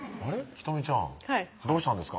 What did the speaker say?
仁美ちゃんどうしたんですか？